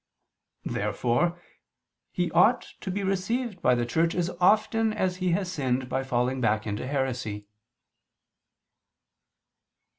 Therefore he ought to be received by the Church as often as he has sinned by falling back into heresy.